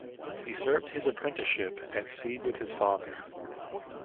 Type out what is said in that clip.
He served his apprenticeship at sea with his father.